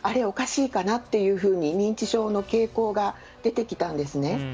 おかしいかなというふうに認知症の傾向が出てきたんですね。